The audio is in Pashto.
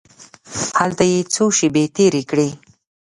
هلته یې څو شپې تېرې کړې.